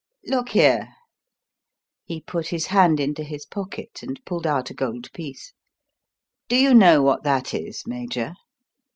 Look here" he put his hand into his pocket and pulled out a gold piece "do you know what that is, Major?"